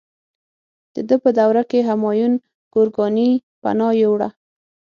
د ده په دوره کې همایون ګورکاني پناه یووړه.